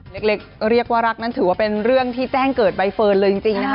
เรียกว่ารักนั้นถือว่าเป็นเรื่องที่แจ้งเกิดใบเฟิร์นเลยจริงนะคะ